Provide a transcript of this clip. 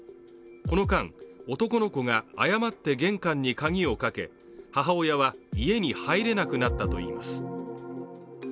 この間、男の子が誤って玄関に鍵をかけ、母親は家に入れなくなったといいます。